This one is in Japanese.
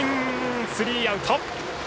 スリーアウト！